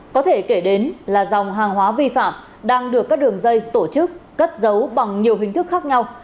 có thể kể đến là dòng hàng hóa vi phạm đang được các đường dây tổ chức cất giấu bằng nhiều hình thức khác nhau